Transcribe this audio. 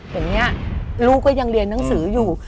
อย่างนี้ลูกก็ยังเรียนหนังสืออยู่